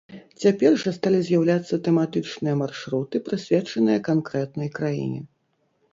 Цяпер жа сталі з'яўляцца тэматычныя маршруты, прысвечаныя канкрэтнай краіне.